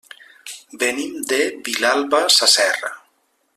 Venim de Vilalba Sasserra.